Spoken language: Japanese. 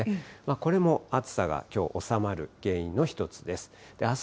これも暑さがきょう、収まる原因の一つです。